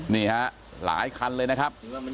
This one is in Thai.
นี่ฮะหลายคันเลยนะครับ